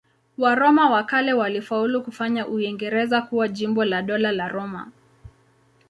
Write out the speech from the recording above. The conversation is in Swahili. Waroma wa kale walifaulu kufanya Uingereza kuwa jimbo la Dola la Roma.